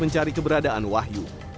mencari keberadaan wahyu